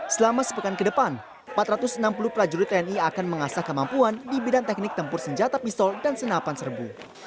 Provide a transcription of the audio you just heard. selama sepekan ke depan empat ratus enam puluh prajurit tni akan mengasah kemampuan di bidang teknik tempur senjata pistol dan senapan serbu